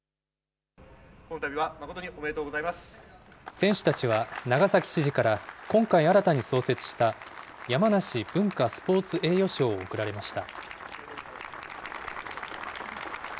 選手たちは、長崎知事から今回新たに創設した、やまなし文化・スポーツ栄誉賞を贈られました。